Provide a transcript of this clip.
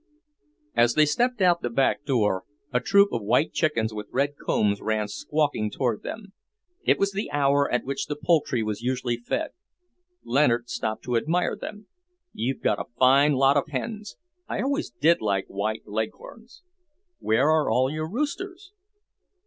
As they stepped out of the back door, a troop of white chickens with red combs ran squawking toward them. It was the hour at which the poultry was usually fed. Leonard stopped to admire them. "You've got a fine lot of hens. I always did like white leghorns. Where are all your roosters?"